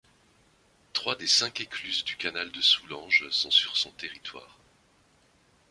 Trois des cinq écluses du canal de Soulanges sont sur son territoire.